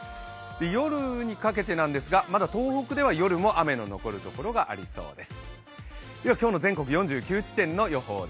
夜にかけてなんですがまだ東北では雨の残るところがありそうです。